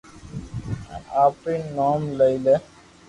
ھين آپري نوم لئي لي